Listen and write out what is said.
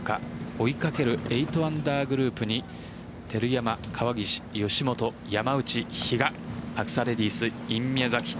追いかける８アンダーグループに照山、川岸吉本、山内、比嘉アクサレディスｉｎＭＩＹＡＺＡＫＩ。